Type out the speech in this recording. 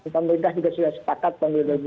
pemerintah juga sudah sepakat pemilih dua ribu empat